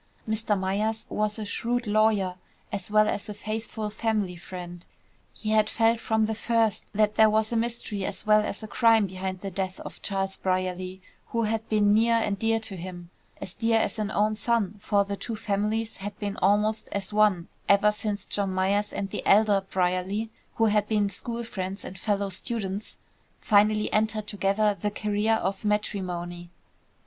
Mr. Myers was a shrewd lawyer, as well as a faithful family friend. He had felt from the first that there was mystery as well as crime behind the death of Charles Brierly, who had been near and dear to him, as dear as an own son, for the two families had been almost as one ever since John Myers and the elder Brierly, who had been school friends and fellow students, finally entered together the career of matrimony.